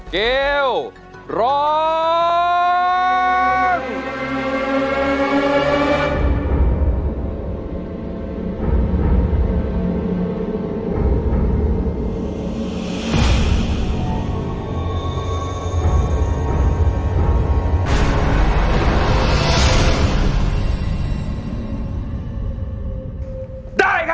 เกลร้อง